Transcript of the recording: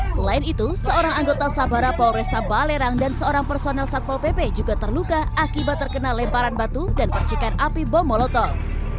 selain itu seorang anggota sabara polresta balerang dan seorang personel satpol pp juga terluka akibat terkena lemparan batu dan percikan api bom molotov